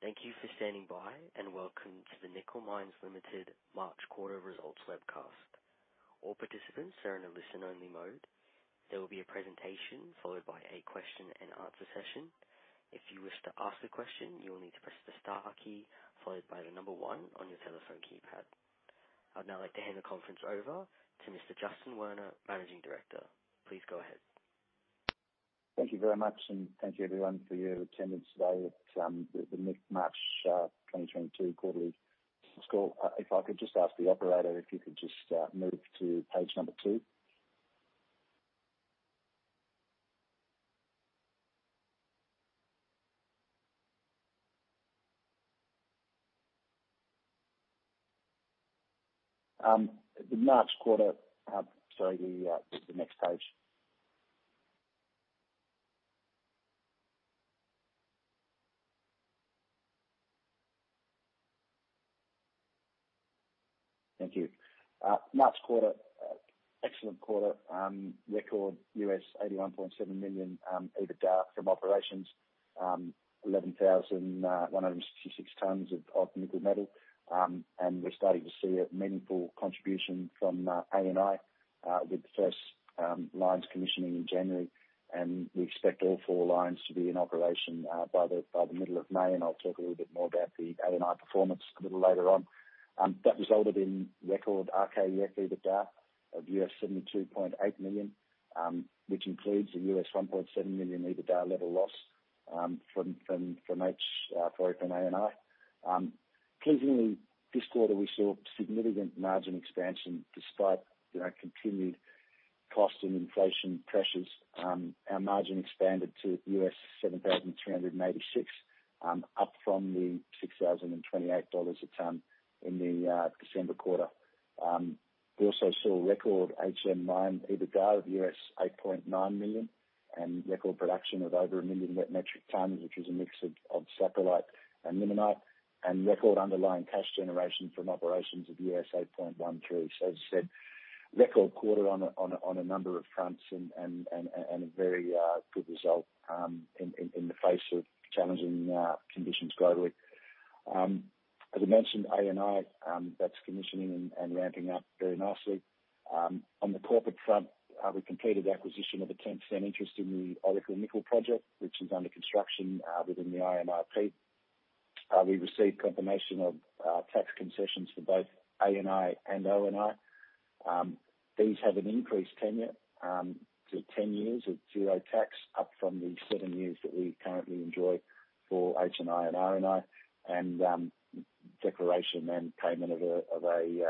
Thank you for standing by, and welcome to the Nickel Mines Limited March Quarter results webcast. All participants are in a listen-only mode. There will be a presentation followed by a question and answer session. If you wish to ask a question, you will need to press the star key followed by the number one on your telephone keypad. I'd now like to hand the conference over to Mr. Justin Werner, Managing Director. Please go ahead. Thank you very much, and thank you everyone for your attendance today at the mid-March 2022 quarterly results call. If I could just ask the operator if you could just move to page number two. Sorry, the next page. Thank you. March quarter, excellent quarter, record $81.7 million EBITDA from operations, 11,166 tons of nickel metal. We're starting to see a meaningful contribution from ANI with the first lines commissioning in January, and we expect all four lines to be in operation by the middle of May. I'll talk a little bit more about the ANI performance a little later on. That resulted in record RKEF EBITDA of $72.8 million, which includes a $1.7 million EBITDA level loss from ANI. Pleasingly this quarter we saw significant margin expansion despite, you know, continued cost and inflation pressures. Our margin expanded to $7,386, up from the $6,028 a ton in the December quarter. We also saw a record Hengjaya Mine EBITDA of $8.9 million and record production of over 1 million net metric tons, which is a mix of saprolite and limonite and record underlying cash generation from operations of $8.12 million. As I said, record quarter on a number of fronts and a very good result in the face of challenging conditions globally. As I mentioned, ANI that's commissioning and ramping up very nicely. On the corporate front, we completed the acquisition of a 10% interest in the Oracle Nickel project, which is under construction within IMIP. We received confirmation of tax concessions for both ANI and ONI. These have an increased tenure to 10 years of zero tax up from the seven years that we currently enjoy for HNI and RNI and declaration and payment of a $0.02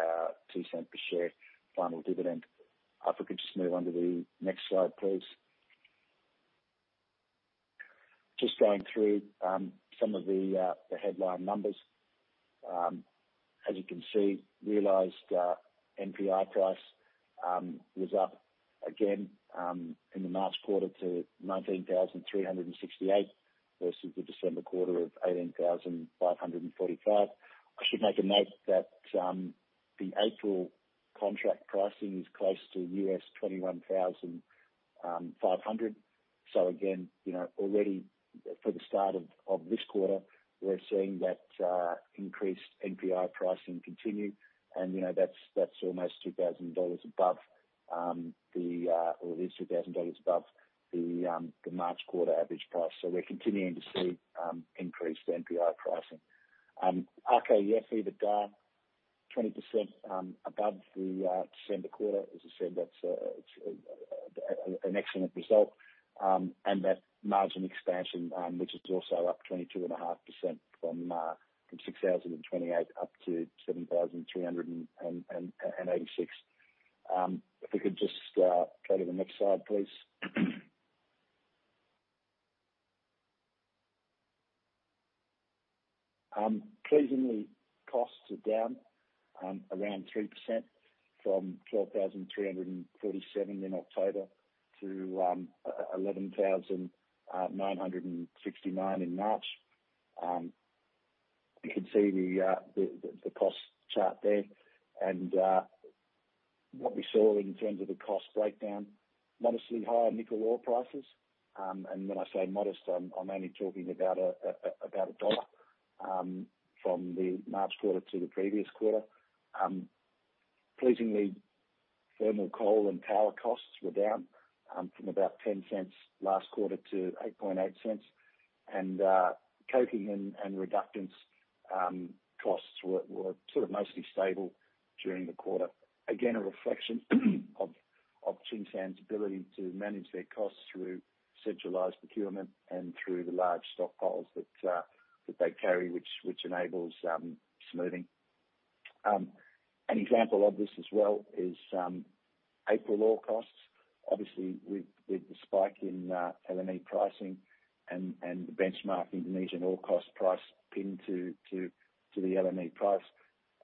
per share final dividend. If I could just move on to the next slide, please. Just going through some of the headline numbers. As you can see, realized NPI price was up again in the March quarter to 19,368 versus the December quarter of 18,545. I should make a note that the April contract pricing is close to $21,500. Again, you know, already for the start of this quarter, we're seeing that increased NPI pricing continue and, you know, that's almost $2,000 above or it is $2,000 above the March quarter average price. We're continuing to see increased NPI pricing. RKEF EBITDA 20% above the December quarter. As I said, that's it, an excellent result. That margin expansion, which is also up 22.5% from $6,028 up to $7,386. If we could just go to the next slide, please. Pleasingly costs are down around 3% from $12,347 in October to $11,969 in March. You can see the costs chart there and what we saw in terms of the cost breakdown, modestly higher nickel ore prices. When I say modest, I'm only talking about about $1 from the March quarter to the previous quarter. Pleasingly, thermal coal and power costs were down from about $.10 Last quarter to $0.088 cents. Coating and reductants costs were sort of mostly stable during the quarter. Again, a reflection of Tsingshan's ability to manage their costs through centralized procurement and through the large stockpiles that they carry, which enables smoothing. An example of this as well is April ore costs. Obviously with the spike in LME pricing and the benchmark Indonesian ore cost price pinned to the LME price,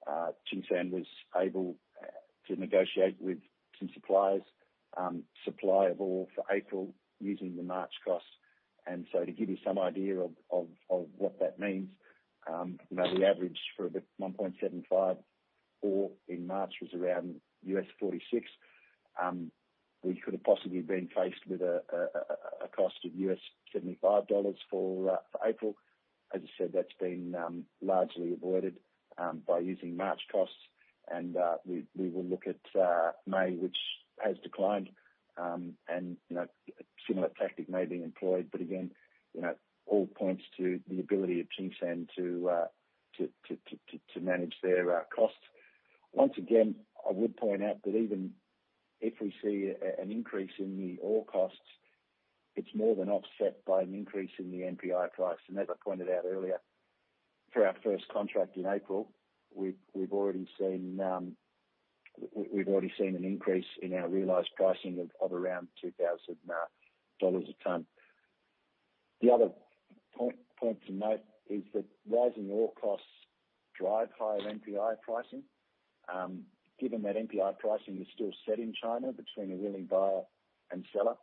Tsingshan was able to negotiate with some suppliers supply of ore for April using the March costs. To give you some idea of what that means, you know, the average for the 1.75 ore in March was around $46. We could have possibly been faced with a cost of $75 for April. As I said, that's been largely avoided by using March costs. We will look at May, which has declined. You know, a similar tactic may be employed, but again, you know, all points to the ability of Tsingshan to manage their costs. Once again, I would point out that even if we see an increase in the ore costs, it's more than offset by an increase in the NPI price. As I pointed out earlier, for our first contract in April, we've already seen an increase in our realized pricing of around $2,000 a tonne. The other point to note is that rising ore costs drive higher NPI pricing. Given that NPI pricing is still set in China between a willing buyer and seller.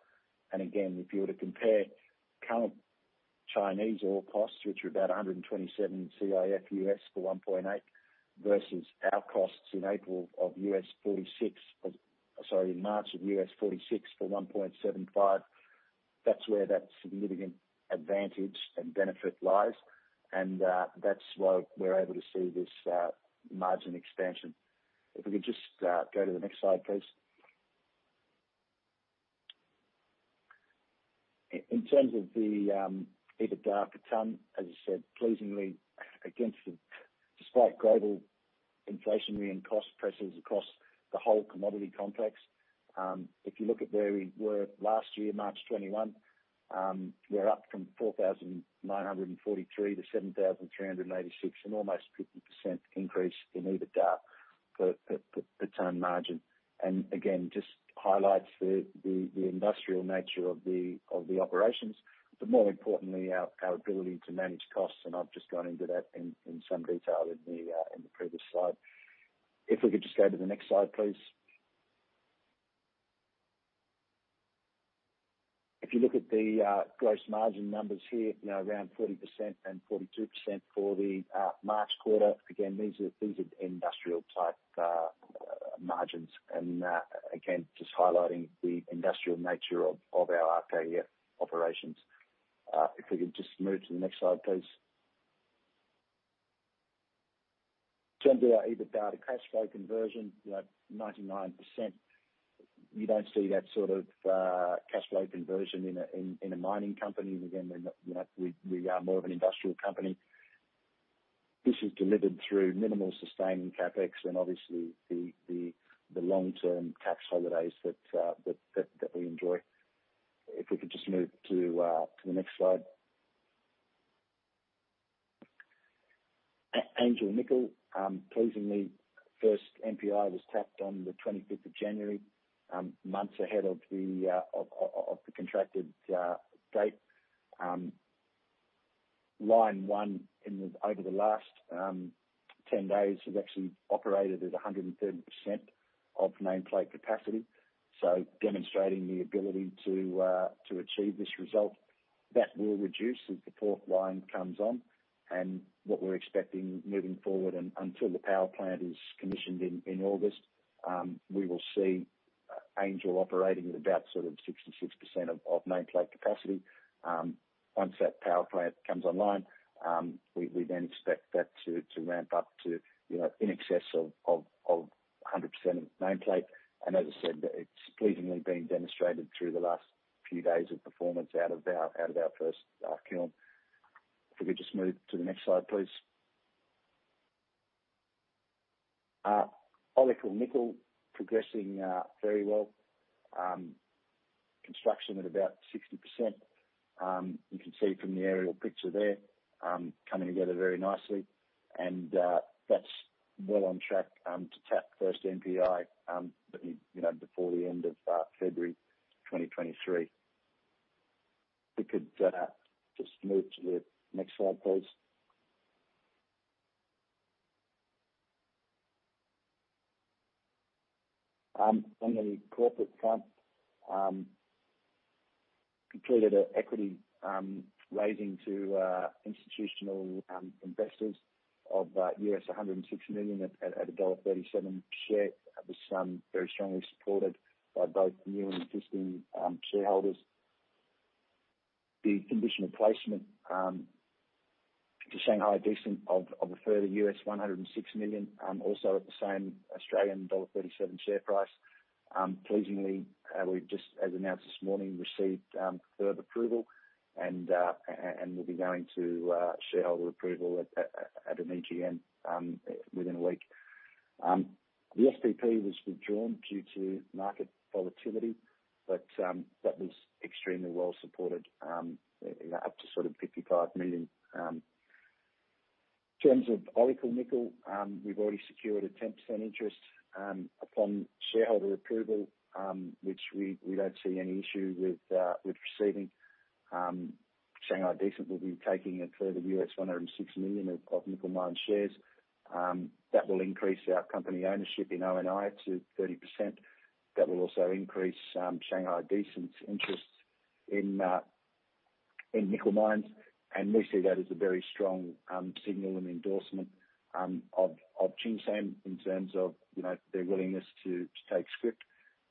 Again, if you were to compare current Chinese ore costs, which are about $127 CIF for 1.8, versus our costs in March of $46 for 1.75, that's where that significant advantage and benefit lies. That's why we're able to see this margin expansion. If we could just go to the next slide, please. In terms of the EBITDA per tonne, as I said, pleasingly, despite global inflationary and cost pressures across the whole commodity complex, if you look at where we were last year, March 2021, we're up from 4,943-7,386, an almost 50% increase in EBITDA per tonne margin. Again, just highlights the industrial nature of the operations, but more importantly, our ability to manage costs, and I've just gone into that in some detail in the previous slide. If we could just go to the next slide, please. If you look at the gross margin numbers here, you know, around 40% and 42% for the March quarter. Again, these are industrial type margins, and again, just highlighting the industrial nature of our RKEF operations. If we could just move to the next slide, please. In terms of our EBITDA to cash flow conversion, you know, 99%, you don't see that sort of cash flow conversion in a mining company. Again, you know, we are more of an industrial company. This is delivered through minimal sustaining CapEx and obviously the long-term tax holidays that we enjoy. If we could just move to the next slide. Angel Nickel, pleasingly, first NPI was tapped on the 25th of January, months ahead of the contracted date. Line one over the last 10 days has actually operated at 130% of nameplate capacity. Demonstrating the ability to achieve this result. That will reduce as the fourth line comes on. What we're expecting moving forward until the power plant is commissioned in August, we will see Angel operating at about sort of 66% of nameplate capacity. Once that power plant comes online, we then expect that to ramp up to, you know, in excess of 100% of nameplate. As I said, it's pleasingly been demonstrated through the last few days of performance out of our first kiln. If we could just move to the next slide, please. Oracle Nickel progressing very well. Construction at about 60%. You can see from the aerial picture there, coming together very nicely. That's well on track to tap first NPI, you know, before the end of February 2023. If we could just move to the next slide, please. On the corporate front, completed an equity raising to institutional investors of $106 million at AUD 1.37 a share. That was very strongly supported by both new and existing shareholders. The conditional placement to Shanghai Decent of a further $106 million, also at the same Australian dollar 1.37 share price. Pleasingly, we've just, as announced this morning, received further approval and will be going to shareholder approval at an EGM within a week. The SPP was withdrawn due to market volatility, but that was extremely well supported, you know, up to sort of $55 million. In terms of Oracle Nickel, we've already secured a 10% interest upon shareholder approval, which we don't see any issue with receiving. Shanghai Decent will be taking a further $106 million of Nickel Mines shares. That will increase our company ownership in ONI to 30%. That will also increase Shanghai Decent's interest in Nickel Mines, and we see that as a very strong signal and endorsement of Tsingshan in terms of, you know, their willingness to take scrip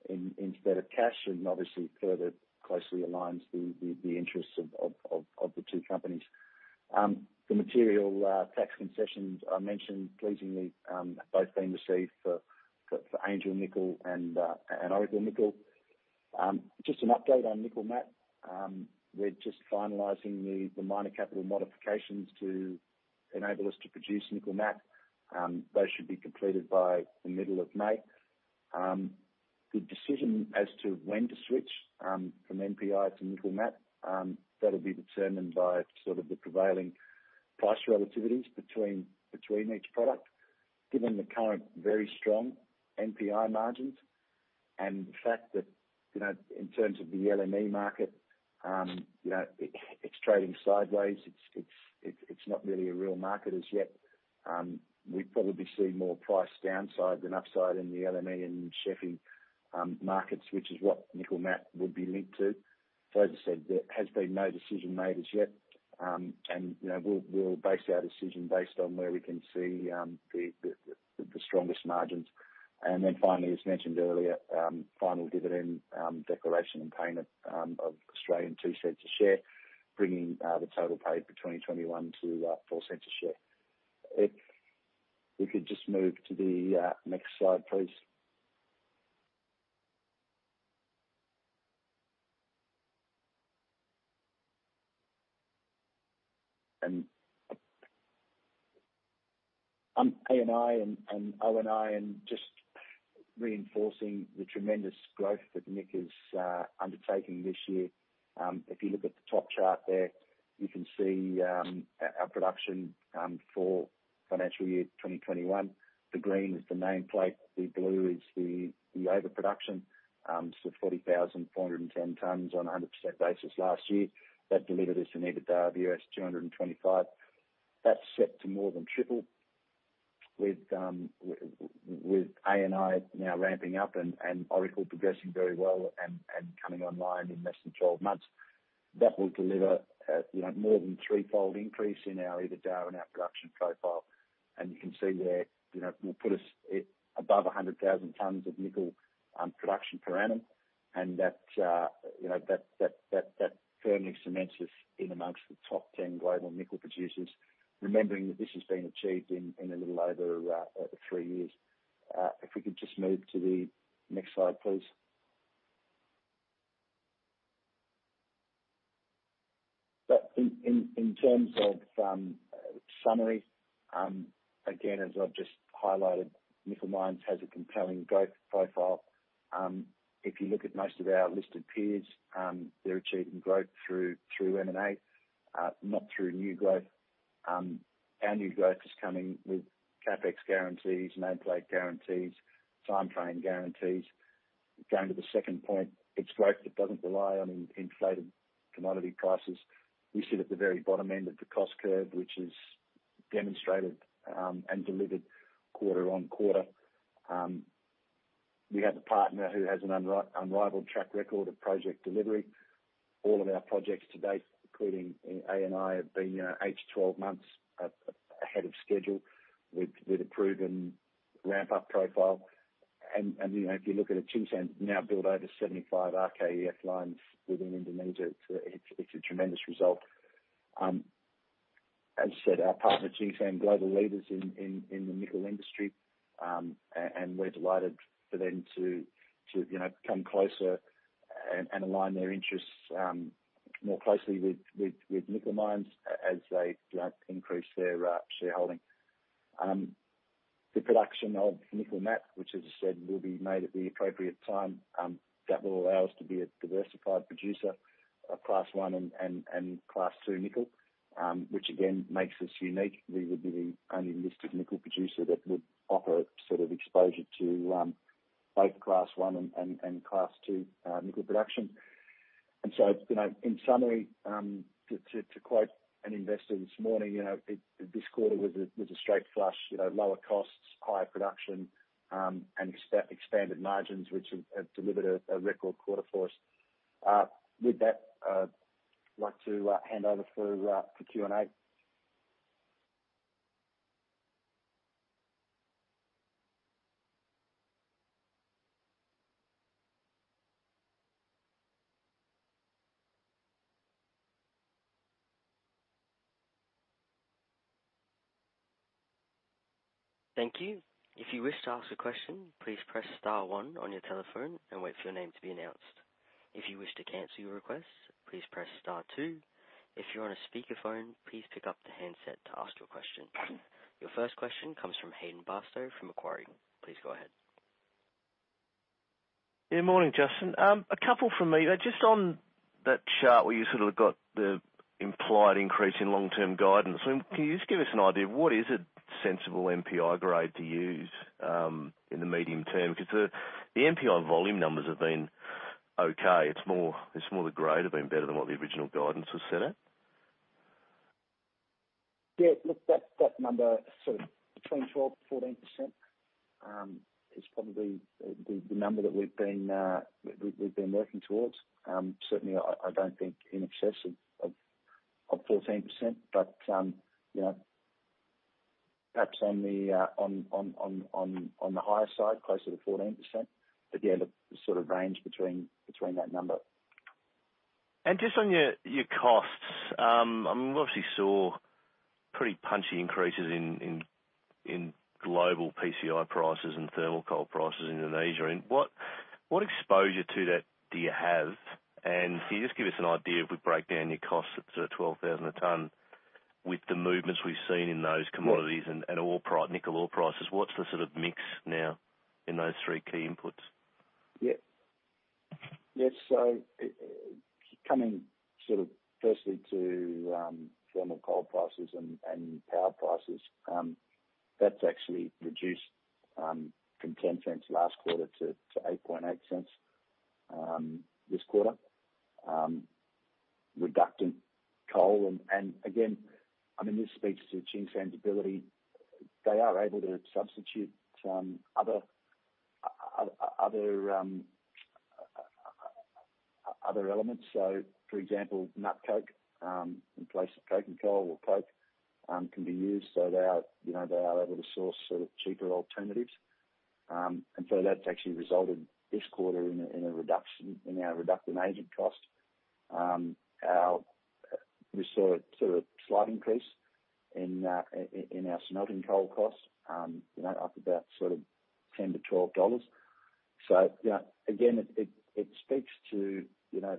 instead of cash, and obviously further closely aligns the interests of the two companies. The material tax concessions I mentioned pleasingly have both been received for Angel Nickel and Oracle Nickel. Just an update on nickel matte. We're just finalizing the minor capital modifications to enable us to produce nickel matte. Those should be completed by the middle of May. The decision as to when to switch from NPI to nickel matte, that'll be determined by sort of the prevailing price relativities between each product. Given the current very strong NPI margins and the fact that, you know, in terms of the LME market, it's trading sideways. It's not really a real market as yet. We probably see more price downside than upside in the LME and ShFE markets, which is what nickel matte would be linked to. As I said, there has been no decision made as yet. You know, we'll base our decision based on where we can see the strongest margins. Finally, as mentioned earlier, final dividend declaration and payment of 0.02 a share, bringing the total paid for 2021 to 0.04 a share. If we could just move to the next slide, please. ANI and ONI and just reinforcing the tremendous growth that Nickel is undertaking this year. If you look at the top chart there, you can see our production for financial year 2021. The green is the nameplate. The blue is the overproduction. Forty thousand four hundred and ten tons on a 100% basis last year. That delivered us an EBITDA of $225 million. That's set to more than triple with ANI now ramping up and Oracle progressing very well and coming online in less than 12 months. That will deliver a you know more than threefold increase in our EBITDA and our production profile. You can see there, you know, will put us at above 100,000 tons of nickel production per annum. That you know firmly cements us among the top 10 global nickel producers. Remembering that this has been achieved in a little over three years. If we could just move to the next slide, please. In terms of summary, again, as I've just highlighted, Nickel Mines has a compelling growth profile. If you look at most of our listed peers, they're achieving growth through M&A, not through new growth. Our new growth is coming with CapEx guarantees, nameplate guarantees, time frame guarantees. Going to the second point, it's growth that doesn't rely on inflated commodity prices. We sit at the very bottom end of the cost curve, which is demonstrated and delivered quarter on quarter. We have a partner who has an unrivaled track record of project delivery. All of our projects to date, including ANI, have been, you know, 8-12 months ahead of schedule with a proven ramp-up profile. You know, if you look at it, Tsingshan now built over 75 RKEF lines within Indonesia. It's a tremendous result. As I said, our partner, Tsingshan, global leaders in the nickel industry. We're delighted for them to, you know, come closer and align their interests more closely with Nickel Mines as they, you know, increase their shareholding. The production of nickel matte, which as I said, will be made at the appropriate time, that will allow us to be a diversified producer of Class 1 and Class 2 nickel, which again, makes us unique. We would be the only listed nickel producer that would offer sort of exposure to both Class 1 and Class 2 nickel production. You know, in summary, to quote an investor this morning, you know, this quarter was a straight flush. You know, lower costs, higher production, and expanded margins, which have delivered a record quarter for us. With that, I'd like to hand over for Q&A. Thank you. If you wish to ask a question, please press star one on your telephone and wait for your name to be announced. If you wish to cancel your request, please press star two. If you're on a speaker phone, please pick up the handset to ask your question. Your first question comes from Hayden Bairstow from Macquarie. Please go ahead. Morning, Justin. A couple from me. Just on that chart where you sort of got the implied increase in long-term guidance, can you just give us an idea of what is a sensible NPI grade to use in the medium term? Because the NPI volume numbers have been okay. It's more the grade have been better than what the original guidance was set at. Yeah, look, that number sort of between 12%-14% is probably the number that we've been working towards. Certainly I don't think in excess of 14%, but you know. Perhaps on the higher side, closer to 14%, but yeah, the sort of range between that number. Just on your costs, I mean, we obviously saw pretty punchy increases in global PCI prices and thermal coal prices in Indonesia. What exposure to that do you have? Can you just give us an idea if we break down your costs at sort of $12,000 a ton with the movements we've seen in those commodities and nickel ore prices, what's the sort of mix now in those three key inputs? Coming sort of firstly to thermal coal prices and power prices, that's actually reduced from $0.10 last quarter to $0.088 this quarter. Reductant coal and again, I mean, this speaks to Tsingshan's ability. They are able to substitute some other elements. For example, nut coke in place of coking coal or coke can be used so that, you know, they are able to source sort of cheaper alternatives. That's actually resulted this quarter in a reduction in our reductant agent cost. We saw a sort of slight increase in our smelting coal costs, you know, up about sort of $10-$12. Yeah, again, it speaks to, you know,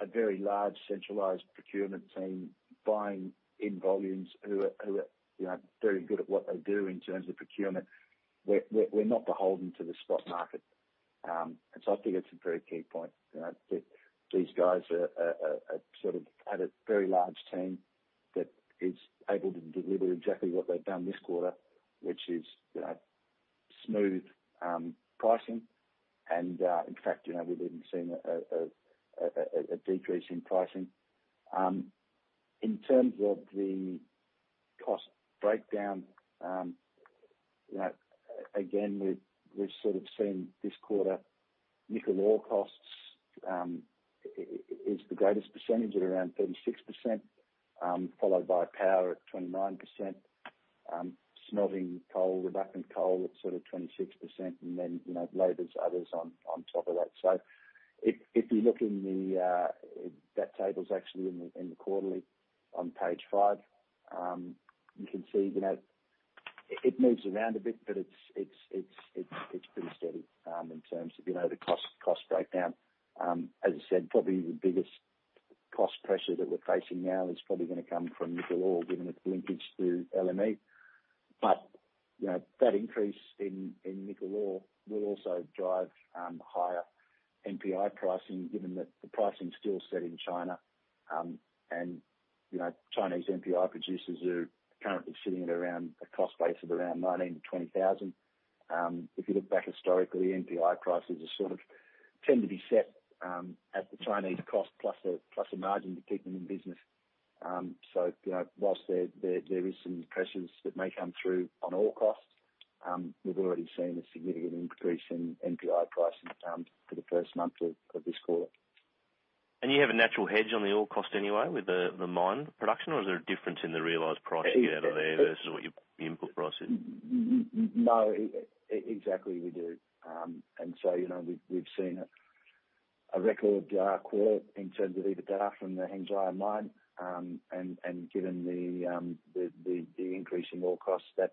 a very large centralized procurement team buying in volumes who are, you know, very good at what they do in terms of procurement. We're not beholden to the spot market. I think it's a very key point, you know, that these guys are part of a very large team that is able to deliver exactly what they've done this quarter, which is, you know, smooth pricing. In fact, you know, we've even seen a decrease in pricing. In terms of the cost breakdown, you know, again, we've sort of seen this quarter nickel ore costs is the greatest percentage at around 36%, followed by power at 29%, smelting coal, reductant coal at sort of 26%, and then, you know, labor and others on top of that. If you look in the, that table's actually in the quarterly on page five, you can see, you know, it moves around a bit, but it's pretty steady in terms of, you know, the cost breakdown. As I said, probably the biggest cost pressure that we're facing now is probably gonna come from nickel ore, given its linkage to LME. You know, that increase in nickel ore will also drive higher NPI pricing, given that the pricing is still set in China, and you know, Chinese NPI producers are currently sitting at around a cost base of around $19,000-$20,000. If you look back historically, NPI prices sort of tend to be set at the Chinese cost plus a margin to keep them in business. You know, while there is some pressures that may come through on ore costs, we've already seen a significant increase in NPI pricing for the first month of this quarter. You have a natural hedge on the ore cost anyway with the mine production, or is there a difference in the realized price you get out of there versus what your input price is? No. Exactly, we do. You know, we've seen a record quarter in terms of EBITDA from the Hengjaya Mine, and given the increase in ore costs that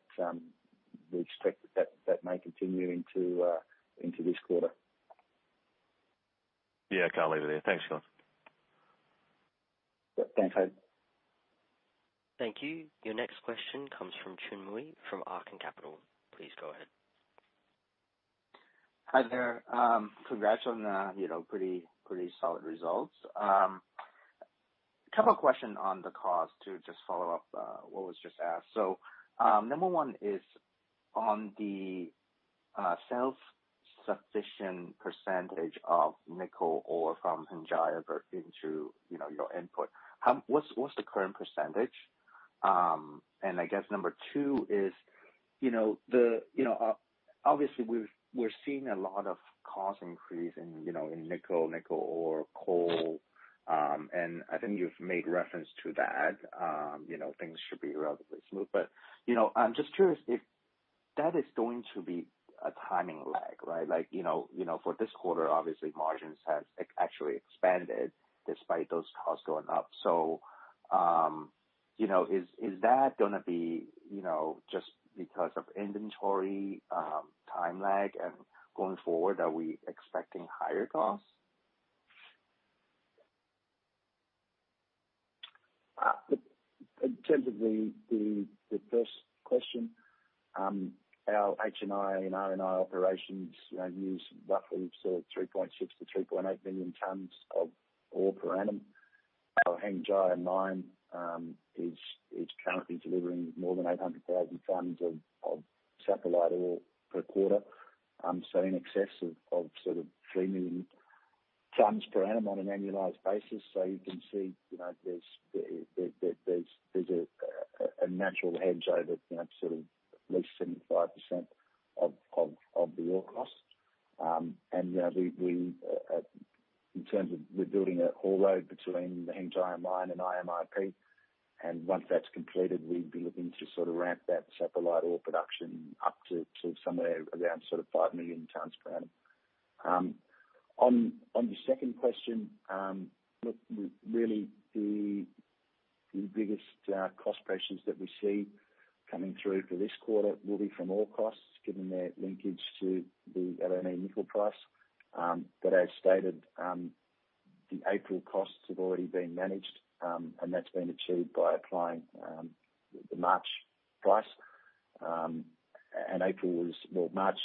we expect may continue into this quarter. Yeah. I'll leave it there. Thanks, Justin. Yep. Thanks, Hayden. Thank you. Your next question comes from Chun Mui from Arkkan Capital. Please go ahead. Hi there. Congrats on, you know, pretty solid results. A couple of questions on the cost to just follow up, what was just asked. Number one is on the self-sufficient percentage of nickel ore from Hengjaya into, you know, your input. How, what's the current percentage? And I guess number two is, you know, the, you know, obviously we're seeing a lot of cost increase in, you know, in nickel ore, coal, and I think you've made reference to that. You know, things should be relatively smooth. You know, I'm just curious if that is going to be a timing lag, right? Like, you know, for this quarter, obviously margins have actually expanded despite those costs going up. You know, is that gonna be, you know, just because of inventory, time lag and going forward, are we expecting higher costs? In terms of the first question, our HNI and RNI operations, you know, use roughly 3.6-3.8 million tons of ore per annum. Our Hengjaya mine is currently delivering more than 800,000 tons of saprolite ore per quarter, so in excess of 3 million tons per annum on an annualized basis. You can see, you know, there's a natural hedge over, you know, sort of at least 75% of the ore cost. In terms of rebuilding an ore load between the Hengjaya mine and IMIP, once that's completed, we'd be looking to sort of ramp that saprolite ore production up to somewhere around 5 million tons per annum. On the second question, look, really the biggest cost pressures that we see coming through for this quarter will be from ore costs, given their linkage to the LME nickel price. As stated, the April costs have already been managed, and that's been achieved by applying the March price. April was, well, March,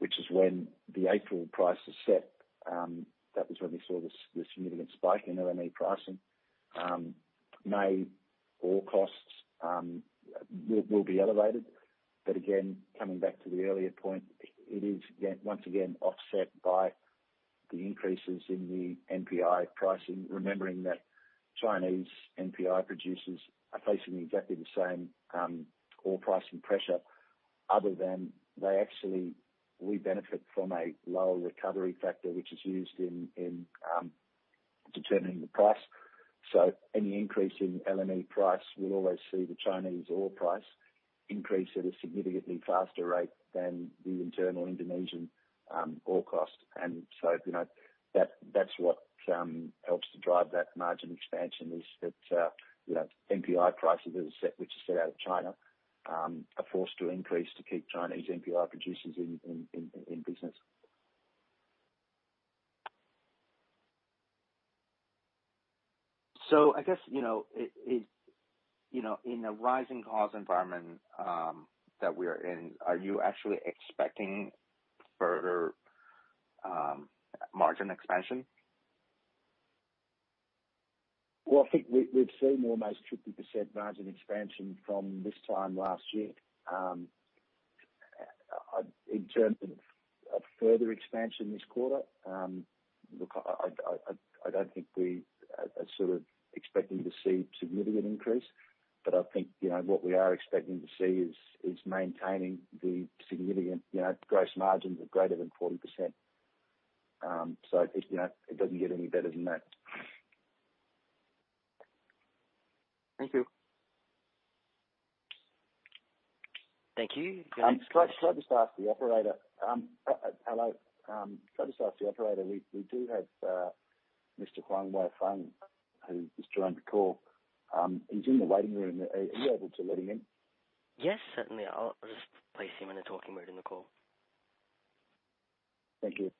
which is when the April price is set, that was when we saw the significant spike in LME pricing. May ore costs will be elevated. Again, coming back to the earlier point, it is yet once again offset by the increases in the NPI pricing, remembering that Chinese NPI producers are facing exactly the same ore pricing pressure other than we benefit from a lower recovery factor, which is used in determining the price. Any increase in LME price will always see the Chinese ore price increase at a significantly faster rate than the internal Indonesian, ore cost. You know, that's what helps to drive that margin expansion is that, you know, NPI prices are set, which are set out of China, are forced to increase to keep Chinese NPI producers in business. I guess, you know, it you know, in a rising cost environment that we're in, are you actually expecting further margin expansion? Well, I think we've seen almost 50% margin expansion from this time last year. In terms of further expansion this quarter, look, I don't think we are sort of expecting to see significant increase, but I think, you know, what we are expecting to see is maintaining the significant, you know, gross margins of greater than 40%. So, you know, it doesn't get any better than that. Thank you. Thank you. Could I just ask the operator? Hello? Could I just ask the operator, we do have Mr. Huang Weifeng who has joined the call. He's in the waiting room. Are you able to let him in? Yes, certainly. I'll just place him in a talking mode in the call. Thank you.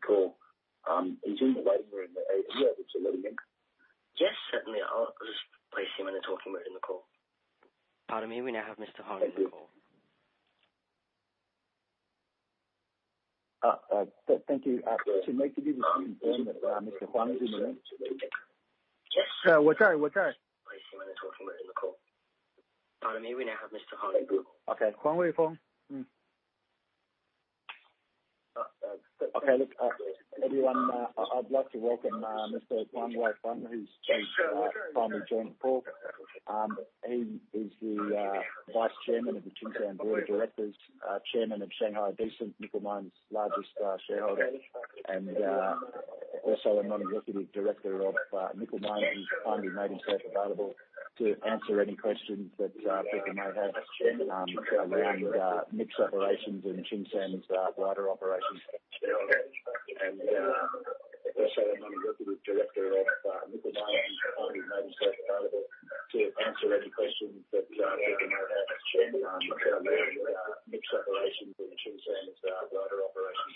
call. He's in the waiting room. Are you able to let him in? Yes, certainly. I'll just place him in a talking mode in the call. Pardon me, we now have Mr. Huang in the call. Thank you. To make the Yes. One time. Place him in a talking mode in the call. Pardon me, we now have Mr. Huang in the call. Okay. Huang Weifeng. Okay, look, everyone, I'd like to welcome Mr. Huang Weifeng who's just finally joined the call. He is the vice chairman of the Tsingshan board of directors, chairman of Shanghai Decent, Nickel Mines' largest shareholder, and also a non-executive director of Nickel Mines, and he's kindly made himself available to answer any questions that people may have surrounding mine operations and Tsingshan's wider operations. Also, a Non-executive Director of Nickel Mines, and he's kindly made himself available to answer any questions that people may have surrounding its operations and Tsingshan's wider operations.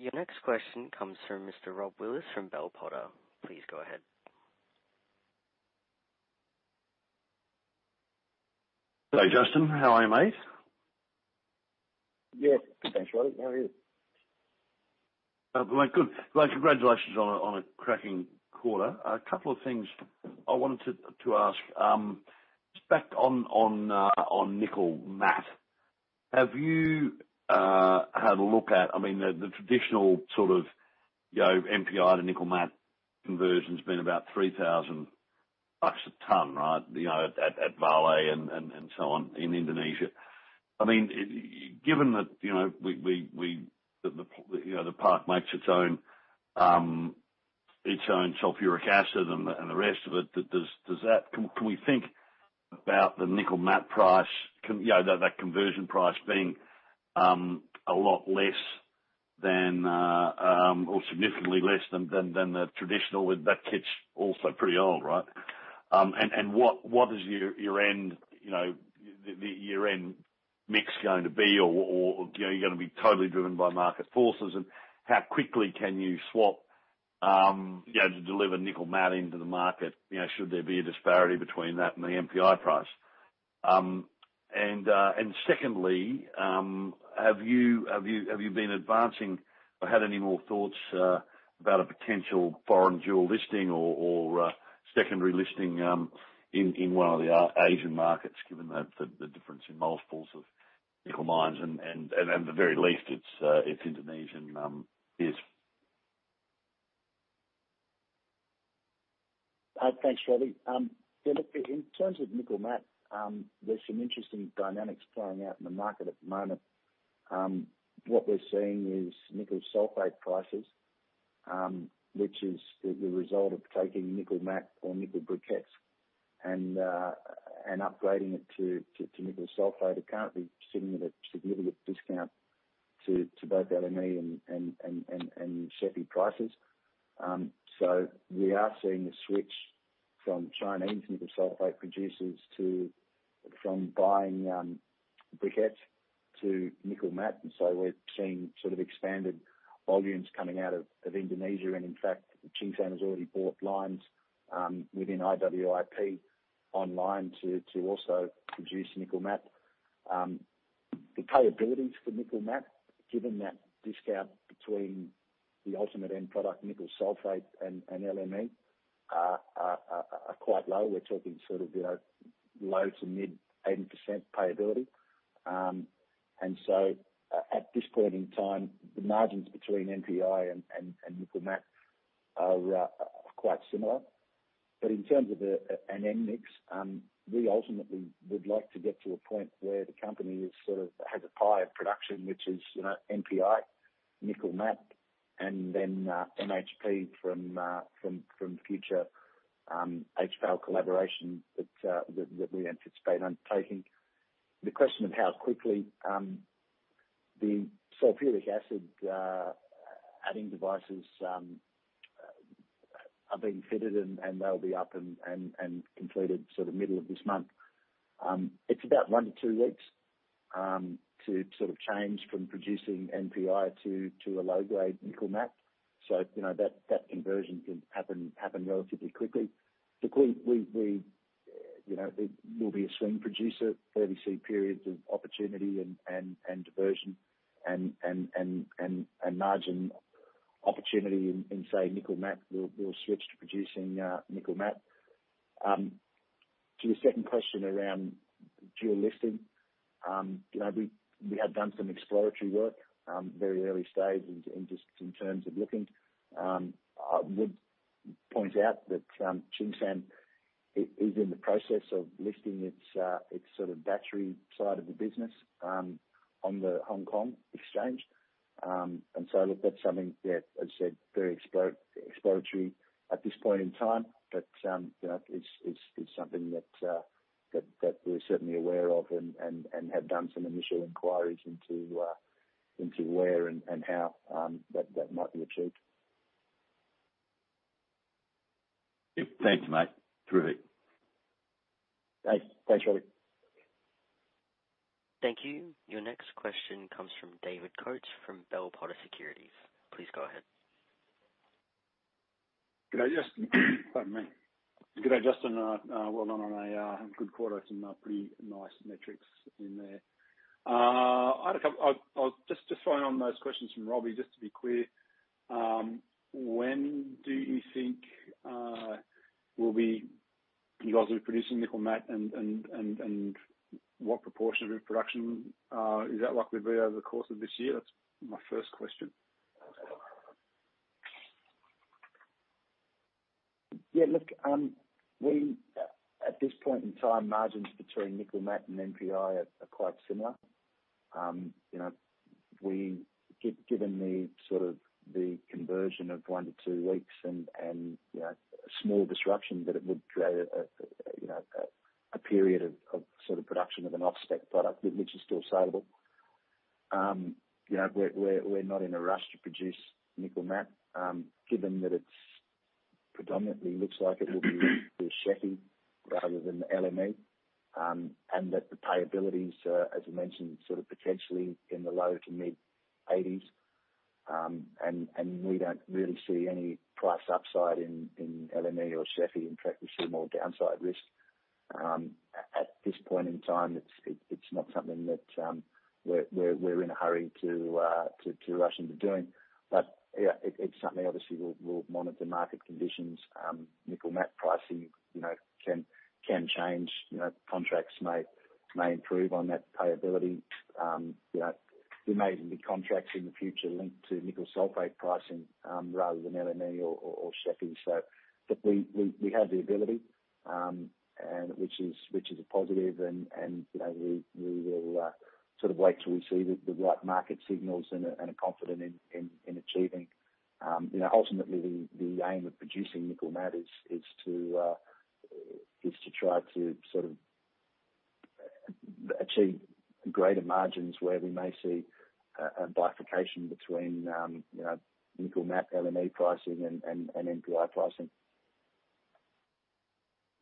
Your next question comes from Mr. Rob Willis from Bell Potter. Please go ahead. Hey, Justin. How are you, mate? Yes, thanks, Rob. How are you? I'm good. Well, congratulations on a cracking quarter. A couple of things I wanted to ask. Just back on nickel matte. Have you had a look at, I mean, the traditional sort of, you know, NPI to nickel matte conversion's been about $3,000 a ton, right? You know, at Vale and so on in Indonesia. I mean, given that, you know, the park makes its own sulfuric acid and the rest of it, does that. Can we think about the nickel matte price conversion, you know, that conversion price being a lot less than or significantly less than the traditional with that, it's also pretty old, right? What is your year-end mix going to be or, you know, you're gonna be totally driven by market forces? How quickly can you swap, you know, to deliver nickel matte into the market, you know, should there be a disparity between that and the NPI price? Secondly, have you been advancing or had any more thoughts about a potential foreign dual listing or secondary listing in one of the Asian markets, given the difference in multiples of Nickel Mines and, at the very least, its Indonesian peers? Thanks, Rob. Yeah, look, in terms of nickel matte, there's some interesting dynamics playing out in the market at the moment. What we're seeing is nickel sulfate prices, which is the result of taking nickel matte or nickel briquettes and upgrading it to nickel sulfate, are currently sitting at a significant discount to both LME and ShFE prices. We are seeing a switch from Chinese nickel sulfate producers buying briquettes to nickel matte. We're seeing sort of expanded volumes coming out of Indonesia. In fact, Tsingshan has already brought lines within IWIP online to also produce nickel matte. The payables for nickel matte, given that discount between the ultimate end product, nickel sulfate and LME, are quite low. We're talking sort of, you know, low to mid-80% payability. At this point in time, the margins between NPI and nickel matte are quite similar. In terms of an end mix, we ultimately would like to get to a point where the company is sort of has a higher production, which is, you know, NPI, nickel matte, and then MHP from future HPAL collaboration that we anticipate on taking. The question of how quickly the sulfuric acid adding devices are being fitted and they'll be up and completed sort of middle of this month. It's about one to two weeks to sort of change from producing NPI to a low-grade nickel matte. You know, that conversion can happen relatively quickly. Look, we you know we'll be a swing producer where we see periods of opportunity and diversion and margin opportunity in, say, nickel matte, we'll switch to producing nickel matte. To the second question around dual listing. You know, we have done some exploratory work, very early stage in just in terms of looking. I would point out that Tsingshan is in the process of listing its sort of battery side of the business on the Hong Kong Exchange. Look, that's something that, as I said, very exploratory at this point in time. You know, it's something that we're certainly aware of and have done some initial inquiries into where and how that might be achieved. Yeah. Thank you, mate. Through. Thanks. Thanks, Rob. Thank you. Your next question comes from David Coates from Bell Potter Securities. Please go ahead. G'day, Justin. Pardon me. G'day, Justin. Well done on a good quarter. Some pretty nice metrics in there. I'll just follow on those questions from Rob, just to be clear, when do you think you guys will be producing nickel matte and what proportion of your production is that likely to be over the course of this year? That's my first question. Yeah, look, we at this point in time, margins between nickel matte and NPI are quite similar. You know, we given the sort of the conversion of 1-2 weeks and you know, a small disruption that it would create a period of sort of production of an off-spec product, which is still saleable. You know, we're not in a rush to produce nickel matte, given that it predominantly looks like it will be for ShFE rather than LME. That the payabilities, as I mentioned, sort of potentially in the low-to-mid 80s%. We don't really see any price upside in LME or ShFE. In fact, we see more downside risk. At this point in time, it's not something that we're in a hurry to rush into doing. Yeah, it's something obviously we'll monitor market conditions. Nickel matte pricing, you know, can change. You know, contracts may improve on that payability. You know, we may even do contracts in the future linked to nickel sulfate pricing rather than LME or ShFE. We have the ability, which is a positive, and you know, we will sort of wait till we see the right market signals and are confident in achieving. You know, ultimately the aim of producing nickel matte is to try to sort of achieve greater margins where we may see a bifurcation between you know nickel matte LME pricing and NPI pricing.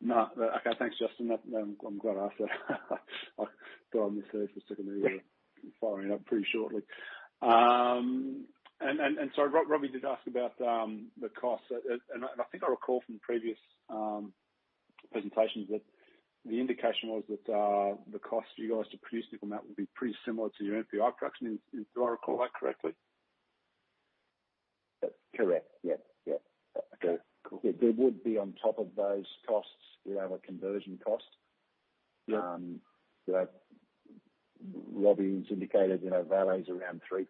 No. Okay. Thanks, Justin. That, I'm glad I asked that. I got on this, the second smelter firing up pretty shortly. Rob did ask about the costs. I think I recall from previous presentations that the indication was that the cost for you guys to produce nickel matte would be pretty similar to your NPI production. Do I recall that correctly? That's correct. Yeah. Yeah. Okay, cool. There would be on top of those costs, we have a conversion cost. Yeah. You know, Robbie's indicated, you know, values around $3,000,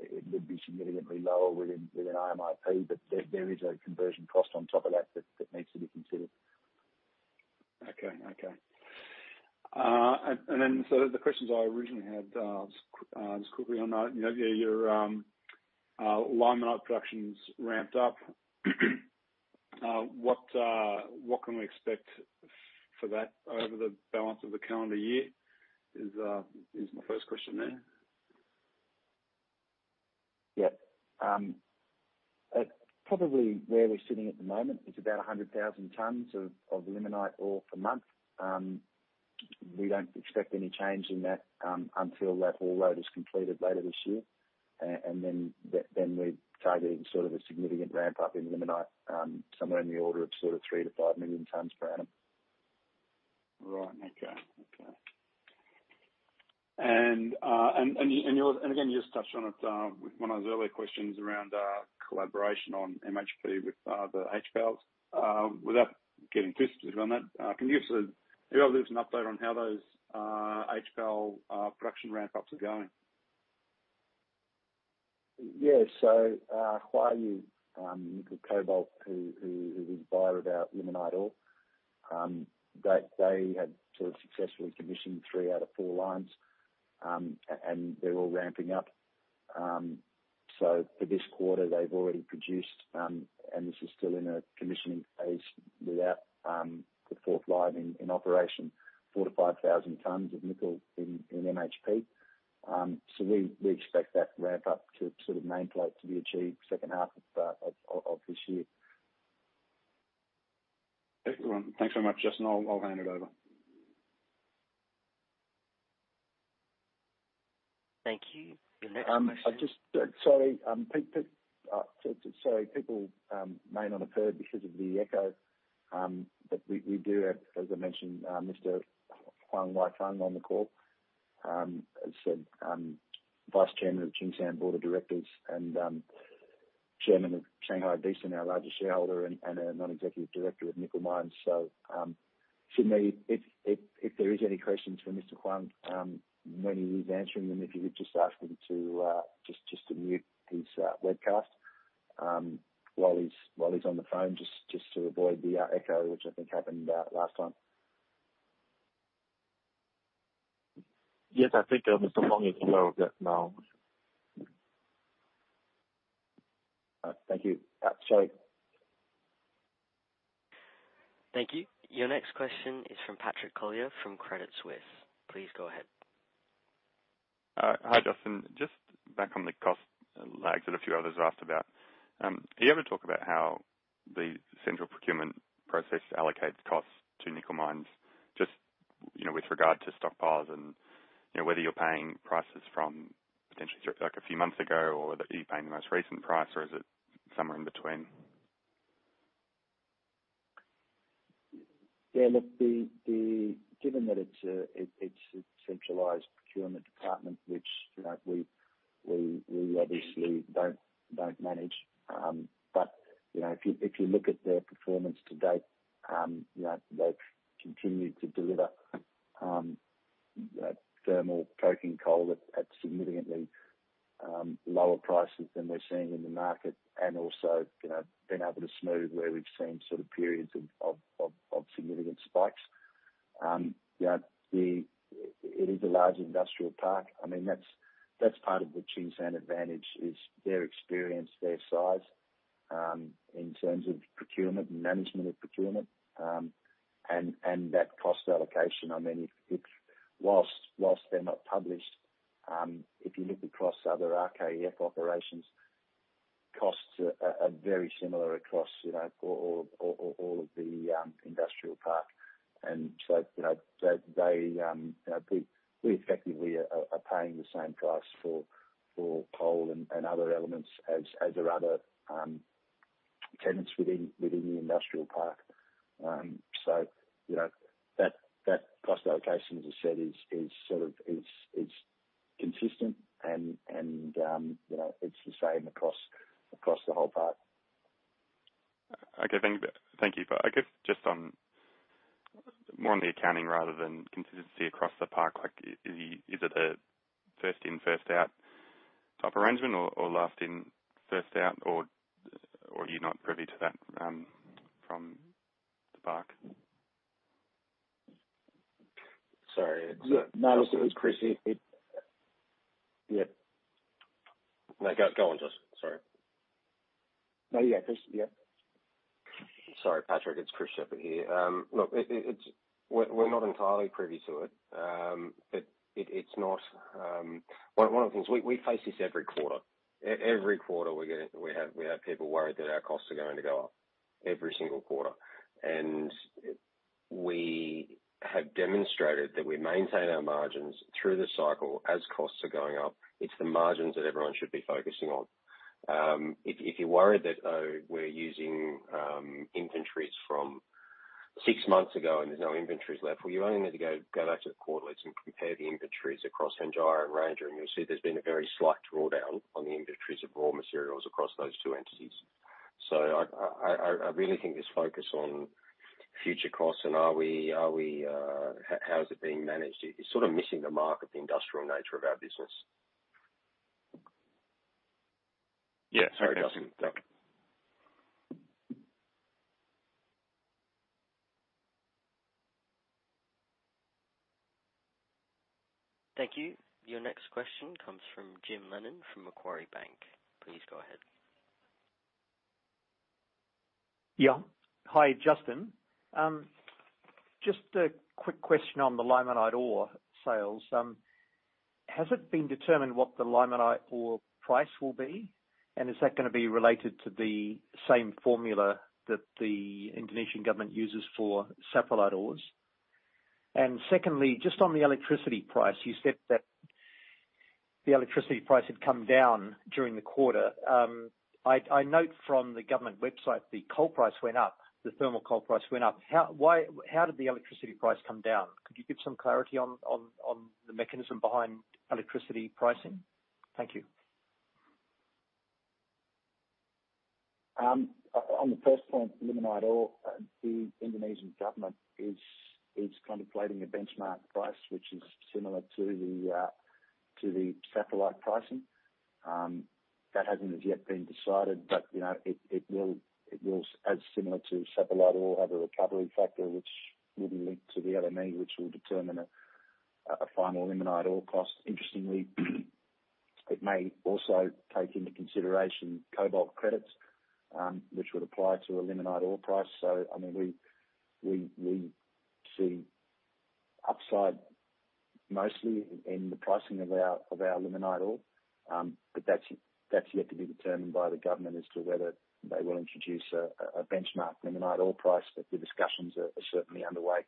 it would be significantly lower within IMIP, but there is a conversion cost on top of that that needs to be considered. Okay, the questions I originally had, just quickly on, you know, your limonite production's ramped up. What can we expect for that over the balance of the calendar year is my first question there. Yeah. Probably where we're sitting at the moment, it's about 100,000 tons of limonite ore per month. We don't expect any change in that until that ore load is completed later this year. We're targeting sort of a significant ramp up in limonite somewhere in the order of sort of 3-5 million tons per annum. Right. Okay. Okay. You just touched on it with one of those earlier questions around collaboration on MHP with the HPALs. Without getting twisted on that, can you sort of be able to give us an update on how those HPAL production ramp ups are going? Yeah. Huayue Nickel Cobalt, who is a buyer of our limonite ore, they had sort of successfully commissioned three out of four lines, and they're all ramping up. For this quarter, they've already produced, and this is still in a commissioning phase without the fourth line in operation, 4,000-5,000 tons of nickel in MHP. We expect that ramp up to sort of maintain plateau to be achieved second half of this year. Excellent. Thanks very much, Justin. I'll hand it over. Thank you. Your next question. Sorry, people, may not have heard because of the echo, but we do have, as I mentioned, Mr. Huang Weifeng on the call. As I said, Vice Chairman of Tsingshan Board of Directors and Chairman of Shanghai Decent, our largest shareholder and a non-executive director of Nickel Mines. Sydney, if there is any questions for Mr. Huang, when he is answering them, if you would just ask him to just to mute his webcast, while he's on the phone, just to avoid the echo, which I think happened last time. Yes, I think, Mr. Huang is aware of that now. Thank you. Sorry. Thank you. Your next question is from Patrick Collier from Credit Suisse. Please go ahead. Hi, Justin. Just back on the cost lags that a few others have asked about. Can you ever talk about how the central procurement process allocates costs to Nickel Mines, just, you know, with regard to stockpiles and, you know, whether you're paying prices from potentially, like, a few months ago or are you paying the most recent price or is it somewhere in between? Given that it's a centralized procurement department which, you know, we obviously don't manage. If you look at their performance to date, you know, they've continued to deliver thermal coking coal at significantly lower prices than we're seeing in the market and also, you know, been able to smooth where we've seen sort of periods of significant spikes. You know, it is a large industrial park. I mean, that's part of the Tsingshan advantage is their experience, their size in terms of procurement and management of procurement, and that cost allocation. I mean, if while they're not published, if you look across other RKEF operations, costs are very similar across, you know, all of the industrial park. You know, they, you know, we effectively are paying the same price for coal and other elements as our other tenants within the industrial park. You know, that cost allocation, as I said, is sort of consistent and, you know, it's the same across the whole park. Okay. Thank you. I guess just one more on the accounting rather than consistency across the park, like, is it a first in, first out type arrangement or last in, first out, or are you not privy to that from the park? Sorry. No. Look, it was Chris. Yeah. No. Go on, Justin. Sorry. No, yeah, Chris, yeah. Sorry, Patrick, it's Chris Shepherd here. Look, we're not entirely privy to it. It's not one of the things we face this every quarter. Every quarter we get it. We have people worried that our costs are going to go up every single quarter. We have demonstrated that we maintain our margins through the cycle as costs are going up. It's the margins that everyone should be focusing on. If you're worried that, oh, we're using inventories from six months ago, and there's no inventories left, well, you only need to go back to the quarter leads and compare the inventories across Hengjaya and Ranger, and you'll see there's been a very slight drawdown on the inventories of raw materials across those two entities. I really think this focus on future costs and are we, how is it being managed. It's sort of missing the mark of the industrial nature of our business. Yeah. Sorry, Justin. Okay. Thank you. Your next question comes from Jim Lennon from Macquarie Bank. Please go ahead. Yeah. Hi, Justin. Just a quick question on the limonite ore sales. Has it been determined what the limonite ore price will be? And is that gonna be related to the same formula that the Indonesian government uses for saprolite ores? And secondly, just on the electricity price, you said that the electricity price had come down during the quarter. I note from the government website the coal price went up, the thermal coal price went up. How, why did the electricity price come down? Could you give some clarity on the mechanism behind electricity pricing? Thank you. On the first point, limonite ore, the Indonesian government is contemplating a benchmark price, which is similar to the saprolite pricing. That hasn't as yet been decided, but you know, it will, as similar to saprolite ore, have a recovery factor which will be linked to the LME, which will determine a final limonite ore cost. Interestingly, it may also take into consideration cobalt credits, which would apply to a limonite ore price. I mean, we see upside mostly in the pricing of our limonite ore. That's yet to be determined by the government as to whether they will introduce a benchmark limonite ore price. The discussions are certainly underway.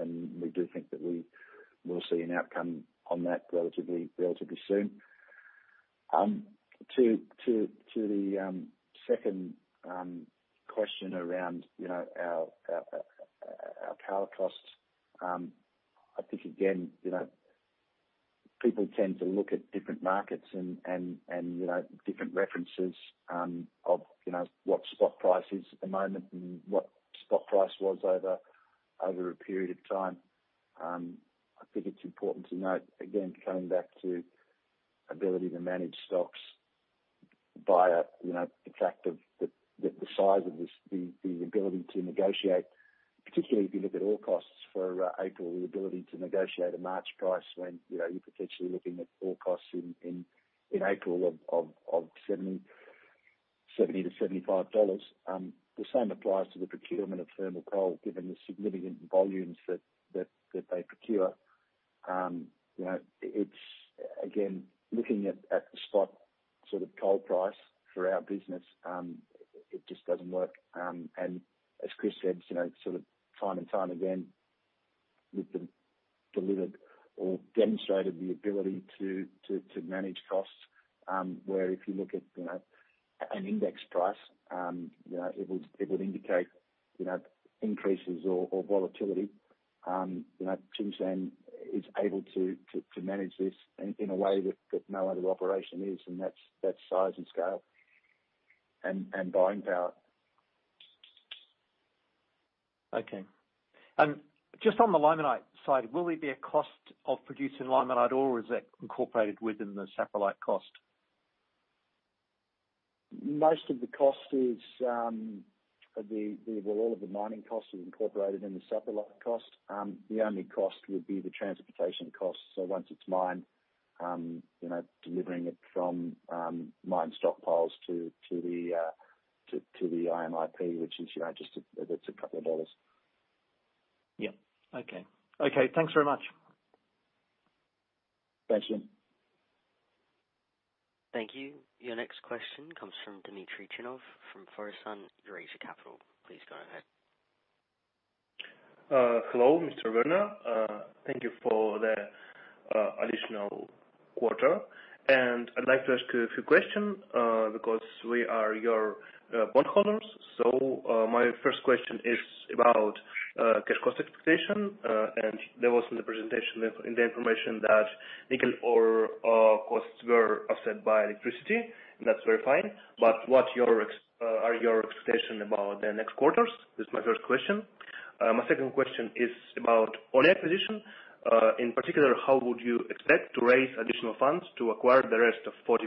We do think that we will see an outcome on that relatively soon. To the second question around, you know, our power costs, I think, again, you know, people tend to look at different markets and, you know, different references of, you know, what spot price is at the moment and what spot price was over a period of time. I think it's important to note, again, coming back to ability to manage stocks via, you know, the fact of the size of this, the ability to negotiate. Particularly if you look at ore costs for April, the ability to negotiate a March price when, you know, you're potentially looking at ore costs in April of $70-$75. The same applies to the procurement of thermal coal, given the significant volumes that they procure. You know, it's again, looking at the spot sort of coal price for our business, it just doesn't work. As Chris said, you know, sort of time and time again, we've delivered or demonstrated the ability to manage costs, where if you look at, you know, an index price, you know, it would indicate, you know, increases or volatility. You know, Tsingshan is able to manage this in a way that no other operation is, and that's size and scale and buying power. Okay. Just on the limonite side, will there be a cost of producing limonite ore, or is that incorporated within the saprolite cost? Most of the cost is. Well, all of the mining costs are incorporated in the saprolite cost. The only cost would be the transportation cost. Once it's mined, you know, delivering it from mine stockpiles to the IMIP, which is, you know, just a, it's a couple of dollars. Yeah. Okay. Okay, thanks very much. Thanks, Jim. Thank you. Your next question comes from Dmitry Chinov from Fosun Eurasia Capital. Please go ahead. Hello, Mr. Werner. Thank you for the additional quarter. I'd like to ask you a few question because we are your bondholders. My first question is about cash cost expectation. There was in the presentation, in the information that nickel ore costs were offset by electricity, and that's very fine. What are your expectation about the next quarters? This is my first question. My second question is about Oracle acquisition. In particular, how would you expect to raise additional funds to acquire the rest of 40%